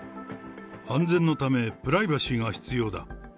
安全のため、プライバシーが必要だ。